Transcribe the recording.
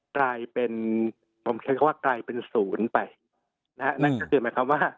กลายเป็นผมใช้คำว่ากลายเป็นศูนย์ไปนะฮะนั่นก็คือหมายความว่า